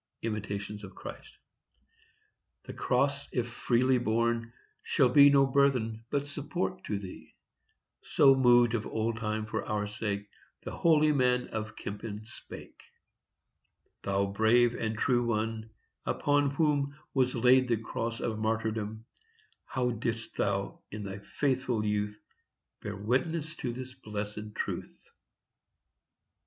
—Imit. Christ. "The Cross, if freely borne, shall be No burthen, but support, to thee." So, moved of old time for our sake, The holy man of Kempen spake. Thou brave and true one, upon whom Was laid the Cross of Martyrdom, How didst thou, in thy faithful youth, Bear witness to this blessed truth!